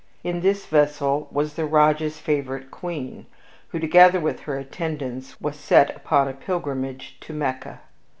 In this vessel was the Rajah's favorite Queen, who, together with her attendants, was set upon a pilgrimage to Mecca.